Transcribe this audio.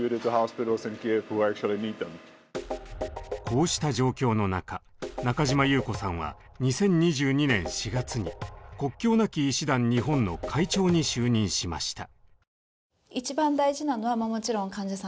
こうした状況の中中嶋優子さんは２０２２年４月に国境なき医師団日本の会長に就任しました。